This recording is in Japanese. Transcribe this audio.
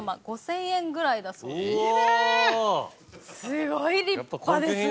すごい立派ですね。